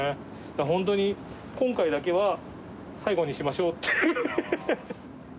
本当に今回だけは最後にしましょうって。